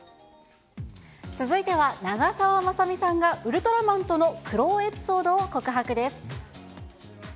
続いては長澤まさみさんが、ウルトラマンとの苦労エピソードを告白です。